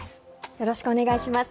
よろしくお願いします。